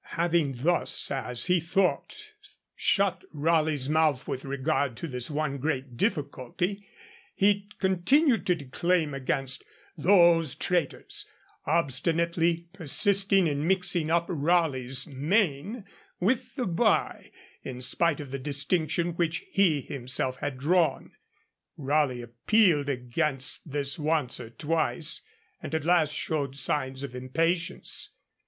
Having thus, as he thought, shut Raleigh's mouth with regard to this one great difficulty, he continued to declaim against 'those traitors,' obstinately persisting in mixing up Raleigh's 'Main' with the 'Bye,' in spite of the distinction which he himself had drawn. Raleigh appealed against this once or twice, and at last showed signs of impatience.